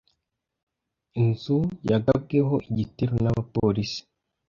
Inzu yagabweho igitero n’abapolisi.